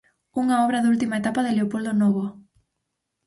Unha obra da última etapa de Leopoldo Nóvoa.